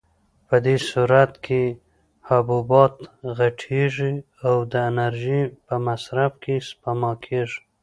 په دې صورت کې حبوبات غټېږي او د انرژۍ په مصرف کې سپما کېږي.